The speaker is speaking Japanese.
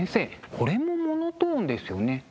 これもモノトーンですよね。